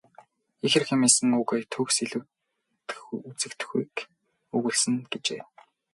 Ихэр хэмээсэн үг төгс үзэгдэхүйг өгүүлсэн нь." гэжээ.